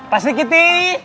pak sri kiti